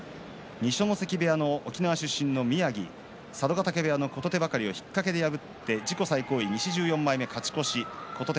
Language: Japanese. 二所ノ関部屋の沖縄出身の宮城佐渡ヶ嶽部屋の琴手計を破って自己最高位、西１４枚目勝ち越し琴手